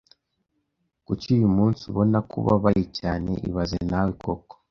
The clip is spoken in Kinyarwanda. Kuki uyu munsi ubona ko ubabaye cyane ibaze nawe koko(carlosalberto)